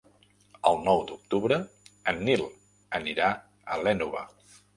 El nou d'octubre en Nil anirà a l'Énova.